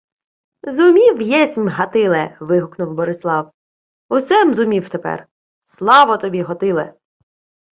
— Зумів, єсмь, Гатиле! — вигукнув Борислав. — Усе-м зумів тепер. Слава тобі, Гатиле!